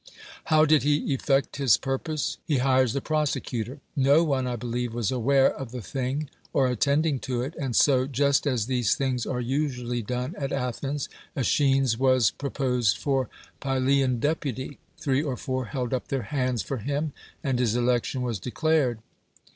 How did he effect his purpose ? He hires the prosecutor. No one (I believe) was aware of the thing or attending to it, and so — just as these things are usually done at Athens — ^Esehines was proposed for Pylajan deputy, three or fonr held up their hands for hiin, and his election was declared.